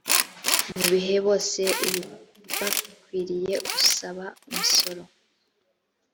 muhe bose ibibakwiriye usaba umusoro